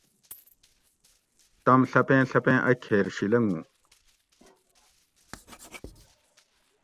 تم ڷپیں ڷپیں اۤ کھیر شی لنگو